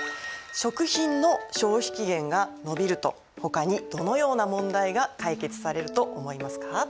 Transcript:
食品の消費期限が延びるとほかにどのような問題が解決されると思いますか？